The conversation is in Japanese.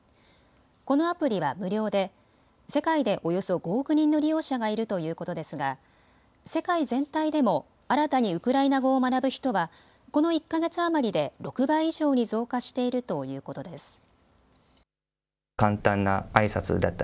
このアプリは無料で世界でおよそ５億人の利用者がいるということですが世界全体でも新たにウクライナ語を学ぶ人はこの１か月余りで６倍以上に増加しているということです。